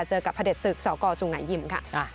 เจอกับพระเด็จศึกสกสุงหายิมค่ะ